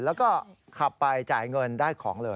แล้วก็ขับไปจ่ายเงินได้ของเลย